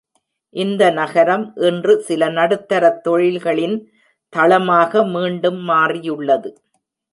இந்த நகரம் இன்று சில நடுத்தரத் தொழில்களின் தளமாக மீண்டும் மாறியுள்ளது.